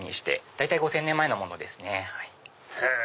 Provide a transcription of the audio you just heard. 大体５０００年前のものですね。